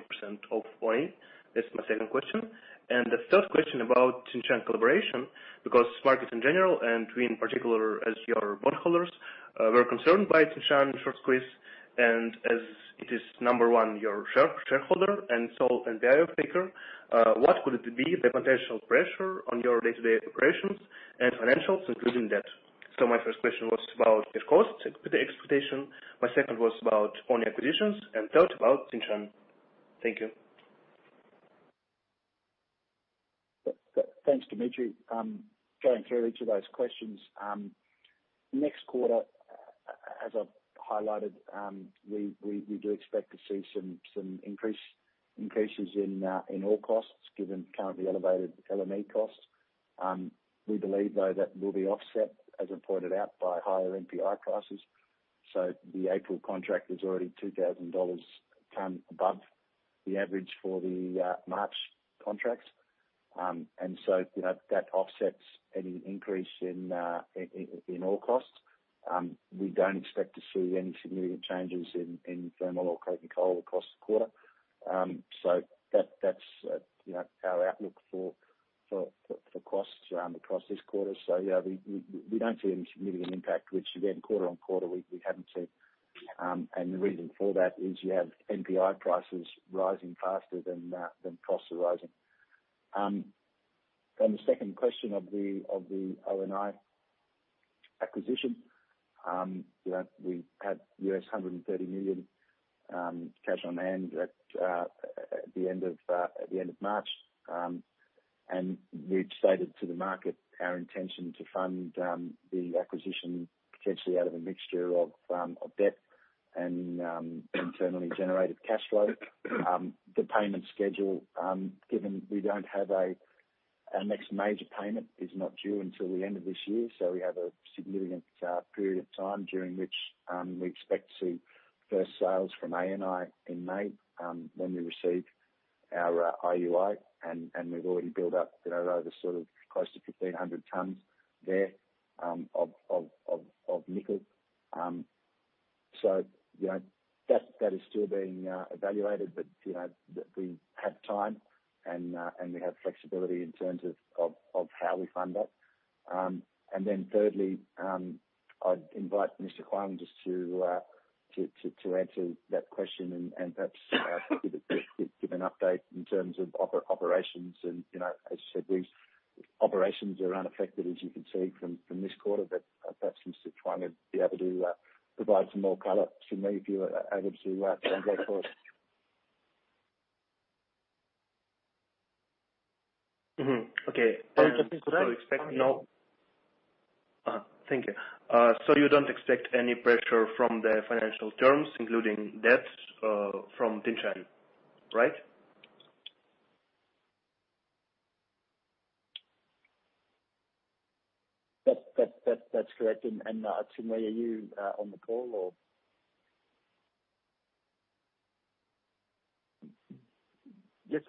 of Oracle? That's my second question. The third question about Tsingshan collaboration, because market in general, and we in particular as your bondholders, we're concerned by Tsingshan short squeeze. As it is number one, your shareholder, and NPI offtaker, what could be the potential pressure on your day-to-day operations and financials, including debt? My first question was about the costs expectation. My second was about ongoing acquisitions, and third about Tsingshan. Thank you. Thanks, Dmitry. Going through each of those questions. Next quarter, as I've highlighted, we do expect to see some increases in ore costs given currently elevated LME costs. We believe though that will be offset, as I pointed out, by higher NPI prices. The April contract is already $2000/ton above the average for the March contracts. You know, that offsets any increase in ore costs. We don't expect to see any significant changes in thermal or coking coal across the quarter. That's, you know, our outlook for costs across this quarter. Yeah, we don't see any significant impact, which again, quarter-on-quarter we haven't seen. The reason for that is you have NPI prices rising faster than costs are rising. On the second question of the ONI acquisition, you know, we had $130 million cash on hand at the end of March. We've stated to the market our intention to fund the acquisition potentially out of a mixture of debt and internally generated cash flow. The payment schedule. Our next major payment is not due until the end of this year, so we have a significant period of time during which we expect to see first sales from ANI in May, when we receive our IUP. We've already built up, you know, over sort of close to 1,500 tons there of nickel. You know, that is still being evaluated. We have time and we have flexibility in terms of how we fund that. Thirdly, I'd invite Mr. Huang just to answer that question and perhaps give an update in terms of operations and, you know, as you said, these operations are unaffected, as you can see from this quarter. Perhaps Mr. Huang would be able to provide some more color. Xinmei, if you are able to translate for us. Mm-hmm. Okay. Justin, could I. Thank you. You don't expect any pressure from the financial terms, including debt, from Tsingshan, right? That's correct. Xinmei, are you on the call or? Yes,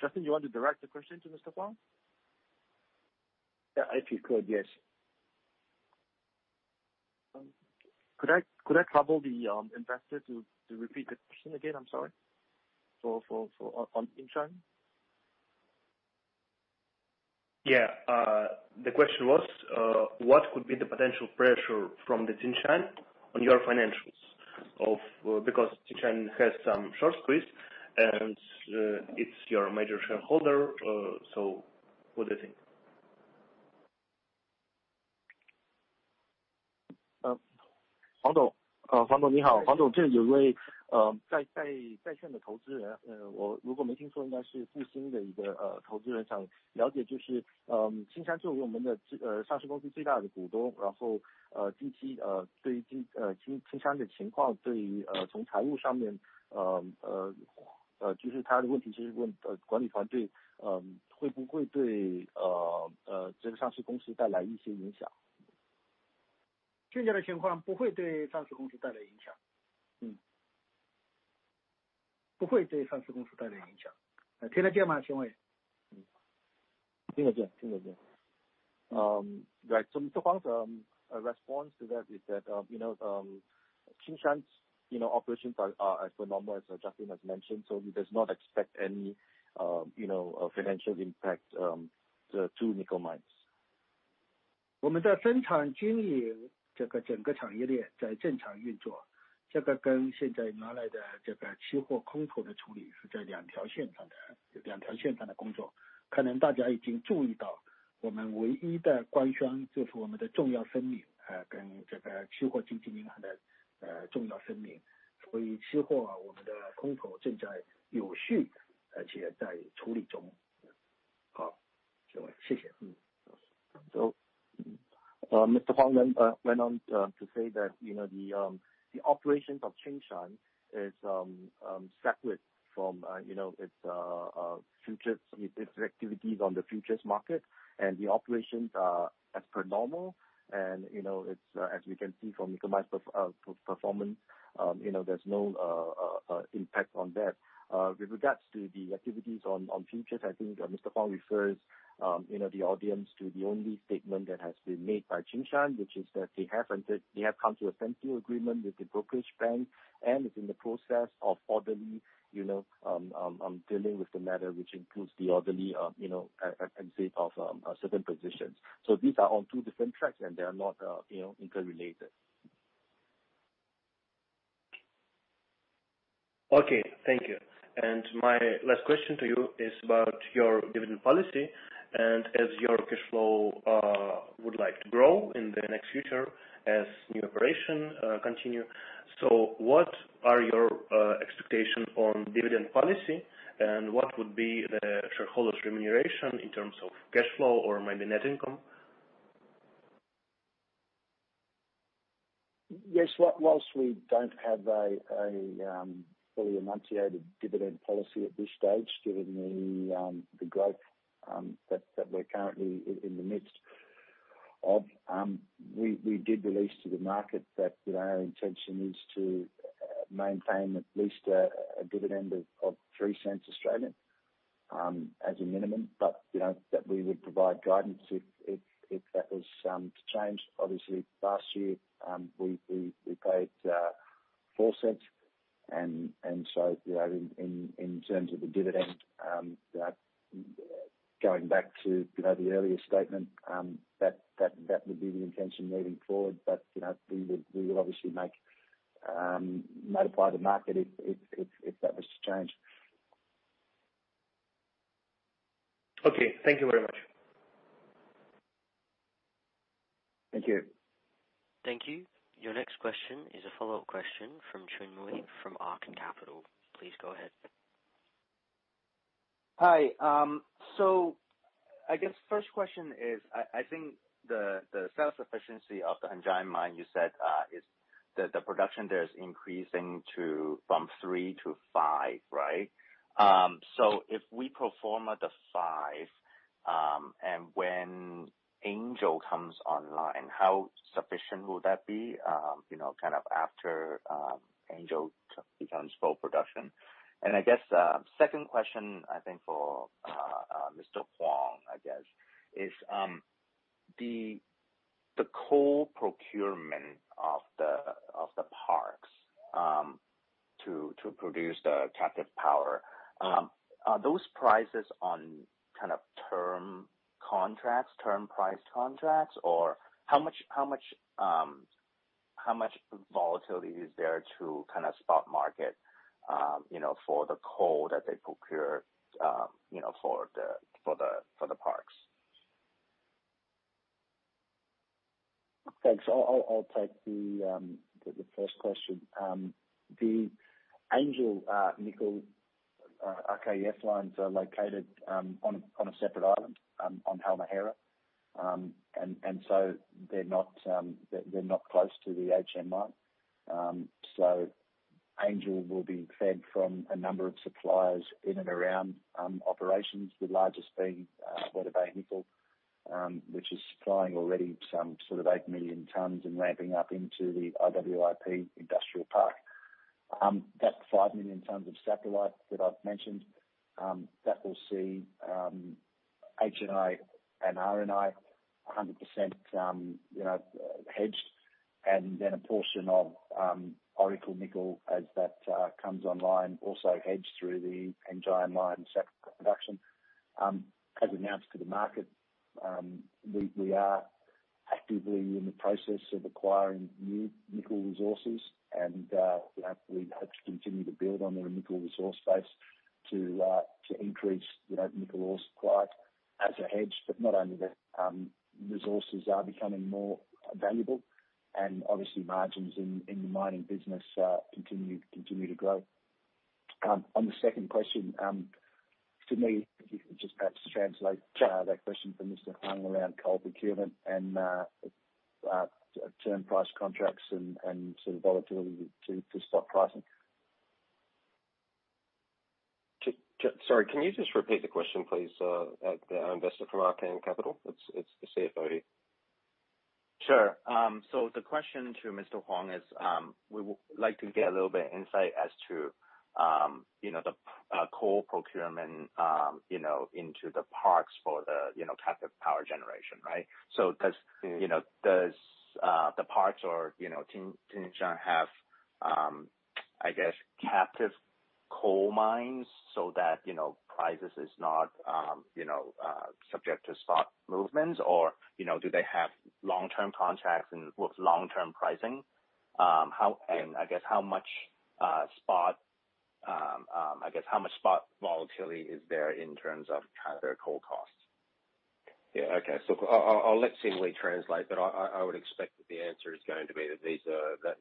Justin, you want to direct the question to Mr. Huang? Yeah, if you could. Yes. Could I trouble the investor to repeat the question again? I'm sorry. For Tsingshan. Yeah. The question was, what could be the potential pressure from Tsingshan on your financials because Tsingshan has some short squeeze and it's your major shareholder. What do you think? Right. Mr. Huang's response to that is that, you know, Tsingshan's, you know, operations are as per normal, as Justin has mentioned. He does not expect any, you know, financial impact to Nickel Mines. Mr. Huang then went on to say that, you know, the operations of Tsingshan is separate from, you know, its futures, its activities on the futures market. The operations are as per normal. You know, it's as we can see from Nickel Mines performance, you know, there's no impact on that. With regards to the activities on futures, I think, Mr. Huang refers, you know, the audience to the only statement that has been made by Tsingshan, which is that they have entered, they have come to a sensible agreement with the brokerage bank, and is in the process of orderly, you know, dealing with the matter, which includes the orderly, you know, exit of certain positions. These are on two different tracks, and they are not, you know, interrelated. Okay. Thank you. My last question to you is about your dividend policy and as your cash flow is likely to grow in the near future as new operations continue. What are your expectations on dividend policy and what would be the shareholders remuneration in terms of cash flow or maybe net income? Yes. While we don't have a fully enunciated dividend policy at this stage, given the growth that we're currently in the midst of. We did release to the market that, you know, our intention is to maintain at least a dividend of 0.03 as a minimum. You know, that we would provide guidance if that was to change. Obviously, last year, we paid 0.04 and so, you know, in terms of the dividend going back to the earlier statement, that would be the intention moving forward. You know, we would obviously notify the market if that was to change. Okay. Thank you very much. Thank you. Thank you. Your next question is a follow-up question from Chun Mui from Arkkan Capital. Please go ahead. Hi. So I guess first question is, I think the sales efficiency of the Hengjaya Mine, you said, is the production there increasing from 3-5, right? So if we perform at the five, and when Angel comes online, how sufficient will that be? You know, kind of after Angel becomes full production. I guess second question I think for Mr. Huang is the coal procurement of the parks to produce the captive power. Are those prices on kind of term contracts, term price contracts, or how much volatility is there to kind of spot market, you know, for the coal that they procure, you know, for the parks? Thanks. I'll take the first question. The Angel Nickel RKEF lines are located on a separate island on Halmahera. They're not close to the Hengjaya Mine. So Angel will be fed from a number of suppliers in and around operations, the largest being Weda Bay Nickel, which is supplying already some sort of 8 million tons and ramping up into the IWIP Industrial Park. That 5 million tons of saprolite that I've mentioned will see HNI and RNI 100%, you know, hedged. Then a portion of Oracle Nickel as that comes online also hedged through the Hengjaya Mine's production. As announced to the market, we are actively in the process of acquiring new nickel resources and, you know, we hope to continue to build on the nickel resource base to increase, you know, nickel ore supply as a hedge. Not only that, resources are becoming more valuable and obviously margins in the mining business continue to grow. On the second question, to me, if you could just perhaps translate- Sure. That question for Mr. Huang around coal procurement and term price contracts and sort of volatility to spot pricing. Sorry, can you just repeat the question, please, our investor from Arkkan Capital. It's the CFO here. Sure. The question to Mr. Huang is, we would like to get a little bit of insight as to, you know, the coal procurement, you know, into the parks for the, you know, captive power generation, right? Does- Mm-hmm. You know, does the parks or, you know, Tsingshan have, I guess, captive coal mines so that, you know, prices is not, you know, subject to spot movements? Or, you know, do they have long-term contracts and with long-term pricing? I guess, how much spot volatility is there in terms of kind of their coal costs? Yeah. Okay. I'll let Xin Wei translate, but I would expect that the answer is going to be that these are, that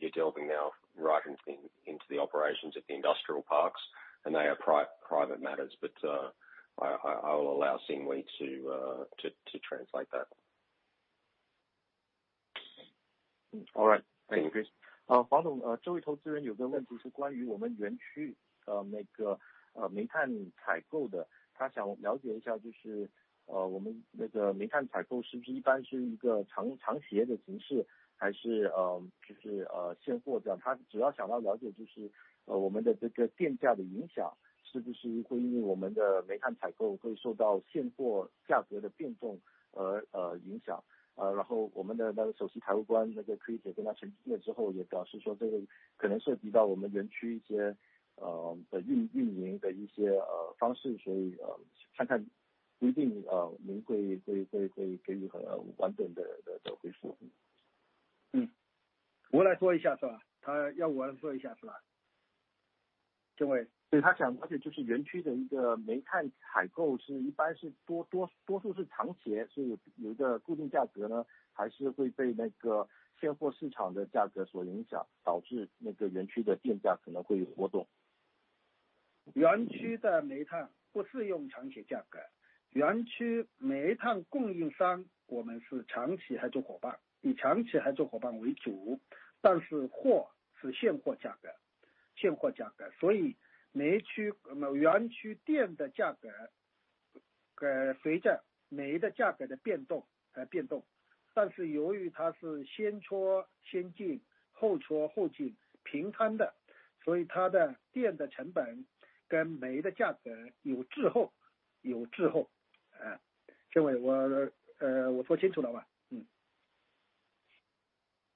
you're delving now right into the operations at the industrial parks, and they are private matters. But I will allow Xin Wei to translate that. All right. Thank you, Chris. Uh, 我来说一下是吧，他要我说一下是吧。这位。对，他想问的就是园区的煤炭采购一般是多数是长协，是有一个固定价格呢，还是会被那个现货市场的价格所影响，导致那个园区的电价可能会有波动。园区的煤炭不适用长协价格。园区煤炭供应商，我们是长期还是伙伴，以长期还是伙伴为主，但是货是现货价格，现货价格。所以煤区，园区电的价格，随着煤的价格的变动而变动。但是由于它是先戳先进、后戳后进，平摊的，所以它的电的成本跟煤的价格有滞后，有滞后。这位我，我说清楚了吗？嗯。好的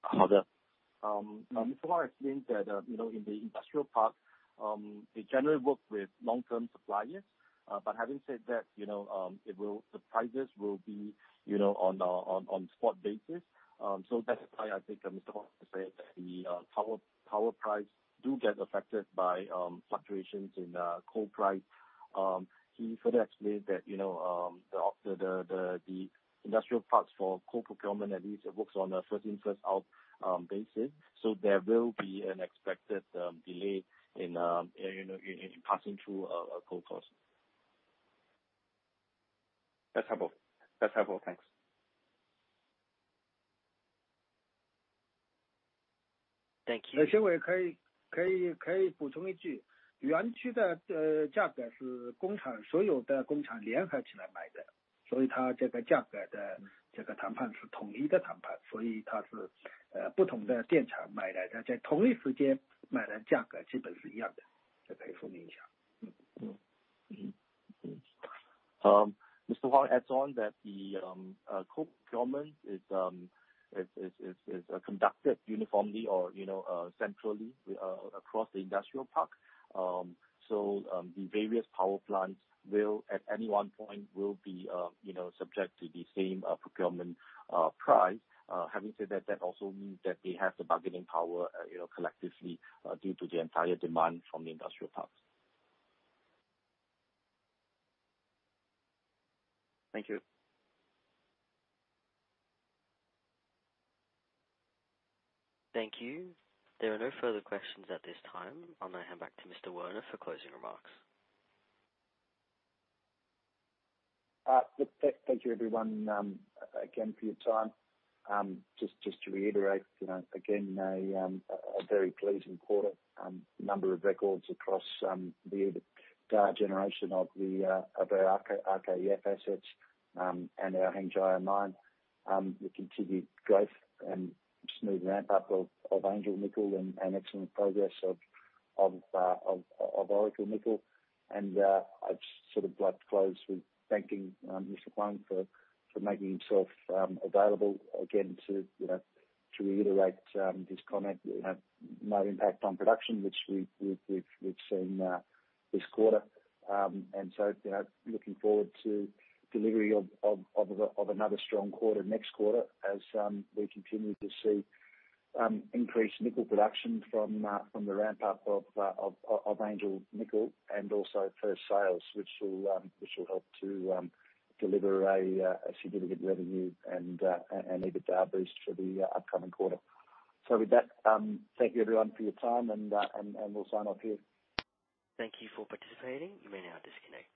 Mr. Huang explained that, you know, in the industrial park, they generally work with long term suppliers. But having said that, you know, the prices will be, you know, on spot basis. That's why I think Mr. Huang said that the power price do get affected by fluctuations in coal price. He further explained that, you know, the industrial parks for coal procurement at least works on a first in, first out basis. There will be an expected delay in passing through a coal cost. That's helpful. Thanks. Thank you. 园区的价格是工厂所有的工厂联合起来买的，所以它这个价格的谈判是统一的谈判，所以它是不同的电厂买来的，在同一时间买来，价格基本是一样的。补充一下。Mr. Huang adds on that the coal procurement is conducted uniformly or, you know, centrally, across the industrial park. The various power plants will, at any one point, be, you know, subject to the same procurement price. Having said that also means that they have the bargaining power, you know, collectively, due to the entire demand from the industrial parks. Thank you. Thank you. There are no further questions at this time. I'll now hand back to Mr. Werner for closing remarks. Thank you everyone again for your time. Just to reiterate, you know, again, a very pleasing quarter. Number of records across the EBITDA generation of our RKEF assets and our Hengjaya Mine. The continued growth and smooth ramp up of Angel Nickel and excellent progress of Oracle Nickel. I'd sort of like to close with thanking Mr. Huang for making himself available again to, you know, to reiterate his comment, you know, no impact on production, which we've seen this quarter. You know, looking forward to delivery of another strong quarter next quarter as we continue to see increased nickel production from the ramp up of Angel Nickel and also first sales, which will help to deliver a significant revenue and EBITDA boost for the upcoming quarter. With that, thank you everyone for your time and we'll sign off here. Thank you for participating. You may now disconnect.